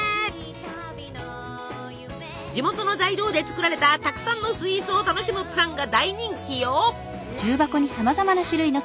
地元の材料で作られたたくさんのスイーツを楽しむプランが大人気よ！